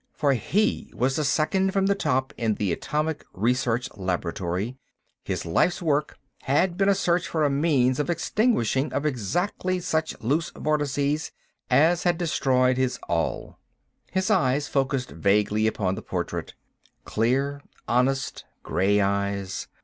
For he was second from the top in the Atomic Research Laboratory; his life's work had been a search for a means of extinguishment of exactly such loose vortices as had destroyed his all. His eyes focussed vaguely upon the portrait. Clear, honest gray eyes